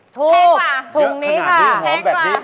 ทูบถุงนี้ค่ะทิ้งกว่า